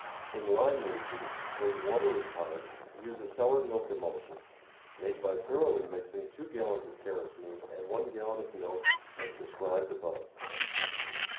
In lime regions, where the water is hard, use a sour milk emulsion, made by thoroughly mixing 2 gallons of kerosene and 1 gal lon of milk, as described above.